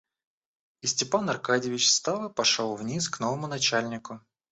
И Степан Аркадьич встал и пошел вниз к новому начальнику.